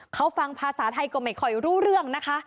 เขาฟังภาษาไทยก็ไม่ค่อยรู้เรื่องนะคะ